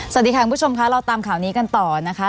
สวัสดีค่ะคุณผู้ชมค่ะเราตามข่าวนี้กันต่อนะคะ